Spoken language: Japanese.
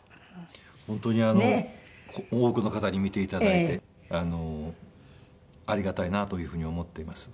本当に多くの方に見て頂いてありがたいなというふうに思っています。